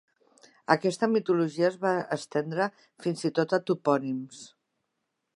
Aquesta mitologia es va estendre fins i tot a topònims.